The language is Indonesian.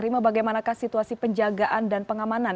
rima bagaimanakah situasi penjagaan dan pengamanan